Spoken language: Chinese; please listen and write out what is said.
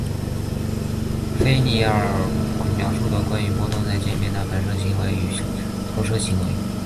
菲涅耳方程描述关于波动在界面的反射行为与透射行为。